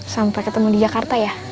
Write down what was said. sampai ketemu di jakarta ya